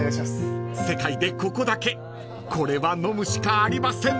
［世界でここだけこれは飲むしかありません］